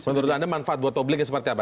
menurut anda manfaat buat publiknya seperti apa